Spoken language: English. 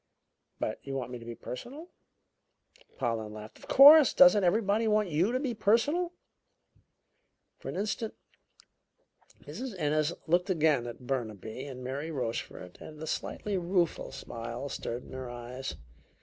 "But you want me to be personal?" Pollen laughed. "Of course! Doesn't everybody want you to be personal?" For an instant Mrs. Ennis looked again at Burnaby and Mary Rochefort, and a slightly rueful smile stirred in her eyes.